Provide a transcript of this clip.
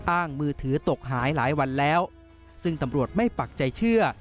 มือถือตกหายหลายวันแล้วซึ่งตำรวจไม่ปักใจเชื่อ